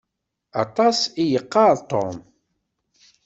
Aṭas i yeqqaṛ Tom.